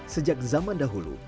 sejak zaman dahulu